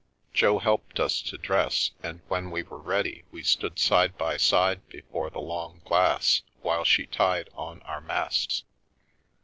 Jo helped us to dress, and when we were ready we stood side by side before the long glass while she tied on our masks.